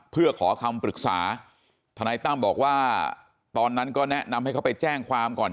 เพื่อขอคำปรึกษาทนายตั้มบอกว่าตอนนั้นก็แนะนำให้เขาไปแจ้งความก่อน